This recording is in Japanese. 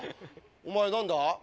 お前何だ？